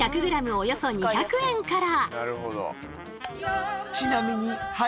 およそ２００円から。